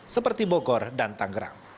seperti bogor dan tanggerang